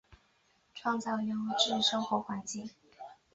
创造优质生活环境